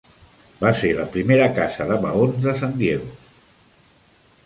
Va ser la primera casa de maons de San Diego.